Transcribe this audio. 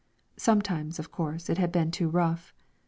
Sometimes, of course, it had been too rough.